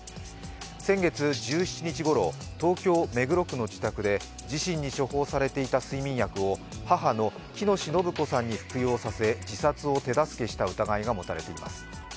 先月１７日ごろ、東京・目黒区の自宅で自身に処方されていた睡眠薬を母の喜熨斗延子さんに服用させ自殺を手助けした疑いが持たれています。